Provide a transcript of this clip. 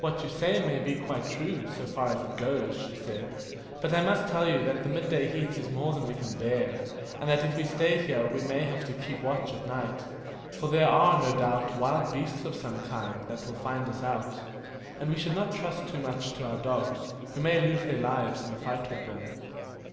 "What you say may be quite true, so far as it goes," she said; "but I must tell you that the mid day heat is more than we can bear, and that if we stay here we may have to keep watch at night, for there are, no doubt, wild beasts of some kind that will find us out; and we should not trust too much to our dogs, who may lose their lives in a fight with them."